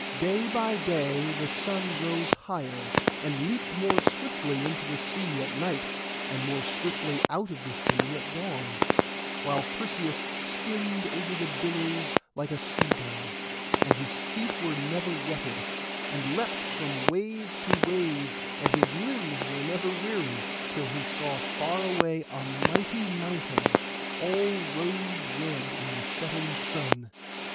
Day by day the sun rose higher, and leaped more swiftly into the sea at night, and more swiftly out of the sea at dawn; while Perseus skimmed over the billows like a sea gull, and his feet were never wetted; and leapt on from wave to wave, and his limbs were never weary, till he saw far away a mighty mountain, all rose red in the setting sun.